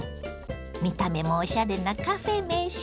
見た目もおしゃれなカフェ飯。